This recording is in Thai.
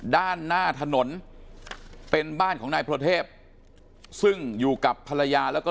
ด้านหน้าถนนเป็นบ้านของนายพระเทพซึ่งอยู่กับภรรยาแล้วก็